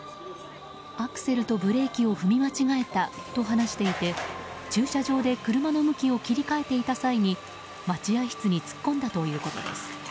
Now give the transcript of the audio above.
アクセルとブレーキを踏み間違えたと話していて、駐車場で車の向きを切り替えていた際に待合室に突っ込んだということです。